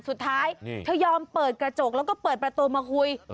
สุดท้ายเธอยอมเปิดกระจกแล้วก็เปิดประตูมาคุย